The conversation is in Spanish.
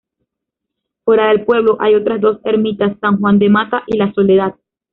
Fuera del pueblo hay otras dos ermitas: San Juan de Mata y La Soledad.